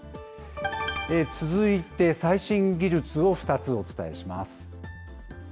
続いて、最新技術を２つお伝えします。